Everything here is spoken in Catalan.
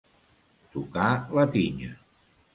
Tocar la tinya.